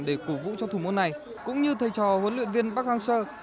để cổ vũ cho thủ môn này cũng như thầy trò huấn luyện viên bác hàng sơ